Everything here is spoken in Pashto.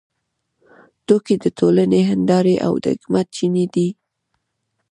ټوکې د ټولنې هندارې او د حکمت چینې دي.